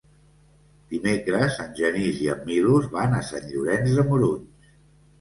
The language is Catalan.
Dimecres en Genís i en Milos van a Sant Llorenç de Morunys.